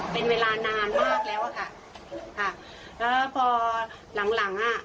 เป็นเวลานานมากแล้วอะค่ะค่ะแล้วพอหลังหลังอ่ะ